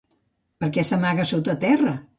Per què s'amagà sota terra?